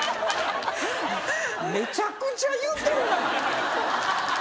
めちゃくちゃ言ってるやん。